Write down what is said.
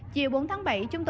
chịu bốn tháng bảy